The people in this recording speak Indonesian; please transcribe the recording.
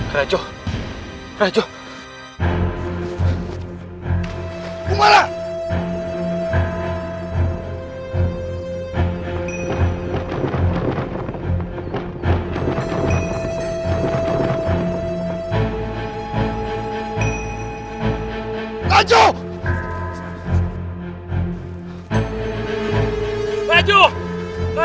dan sudah semalaman kita melacaknya